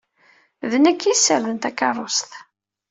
D nekk i yessarden takeṛṛust.